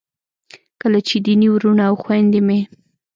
کله چې دیني وروڼه او خویندې مې